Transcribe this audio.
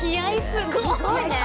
すごいね。